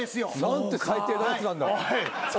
何て最低なやつなんだ。